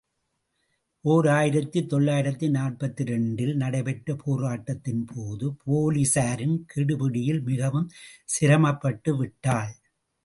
ஓர் ஆயிரத்து தொள்ளாயிரத்து நாற்பத்திரண்டு ல் நடைபெற்ற போராட்டத்தின் போது போலீசாரின்கெடுபிடியில் மிகவும் சிரமப்பட்டு விட்டாள்.